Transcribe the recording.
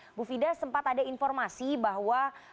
ibu fida sempat ada informasi bahwa